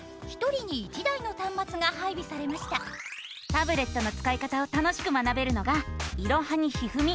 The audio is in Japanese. タブレットのつかい方を楽しく学べるのが「いろはにひふみ」。